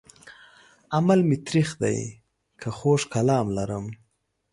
عمل مې تريخ دی که خوږ کلام لرم